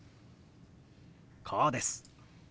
こうです。